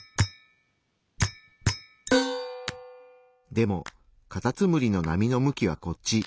でもカタツムリの波の向きはこっち。